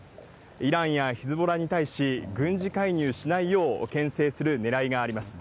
イランやヒズボラに対し、軍事介入しないようけん制するねらいがあります。